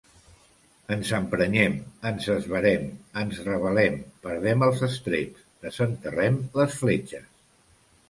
Ens emprenyem, ens esverem, ens rebel·lem, perdem els estreps, desenterrem les fletxes.